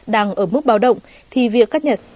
đang ở mức báo động thì việc cắt nhật